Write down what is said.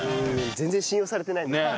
全然信用されてないね。